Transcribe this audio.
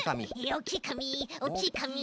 おっきいかみおっきいかみ。